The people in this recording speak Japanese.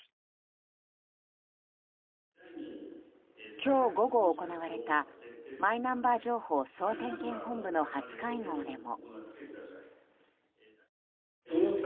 今日午後行われたマイナンバー情報総点検本部の初会合でも。